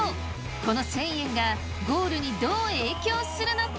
この１，０００円がゴールにどう影響するのか。